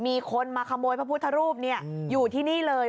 มีคนมาขโมยพระพุทธรูปอยู่ที่นี่เลย